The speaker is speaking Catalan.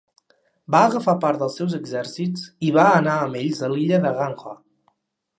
Va agafar part dels seus exèrcits i va anar amb ells a l'illa de Ganghwa.